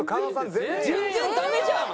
全然ダメじゃん！